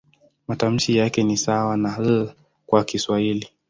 Matamshi yake ni sawa na "L" kwa Kiswahili.